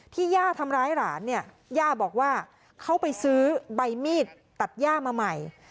ย่าทำร้ายหลานเนี่ยย่าบอกว่าเขาไปซื้อใบมีดตัดย่ามาใหม่